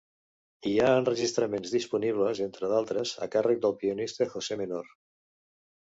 Hi ha enregistraments disponibles, entre d'altres, a càrrec del pianista José Menor.